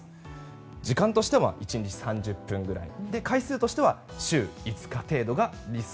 時間としては１日３０分ぐらい回数としては週５日程度が理想。